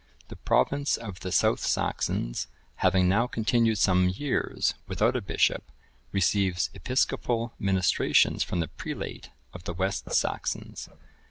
The province of the South Saxons,(1022) having now continued some years without a bishop, receives episcopal ministrations from the prelate of the West Saxons.